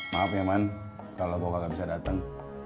maaf ya man kalo gue kagak bisa dateng